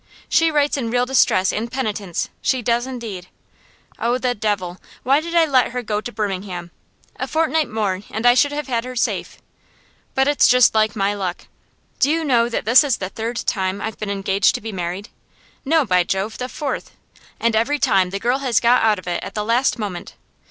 She writes in real distress and penitence she does indeed. Oh, the devil! Why did I let her go to Birmingham? A fortnight more, and I should have had her safe. But it's just like my luck. Do you know that this is the third time I've been engaged to be married? no, by Jove, the fourth! And every time the girl has got out of it at the last moment.